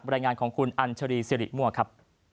บรรยายงานของคุณอันชรีสิริมวะครับ